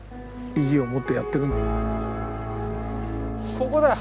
ここだよ。